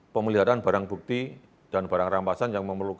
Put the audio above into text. pemeliharaan barang bukti dan barang data yang berlaku dalam perusahaan ini